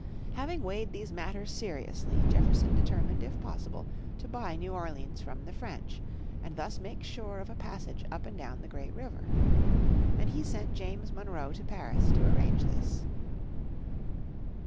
Having weighed these matters seriously Jefferson determined if possible to buy new Orleans from the French, and thus make sure of a passage up and down the great river. And he sent James Monroe to Paris to arrange this.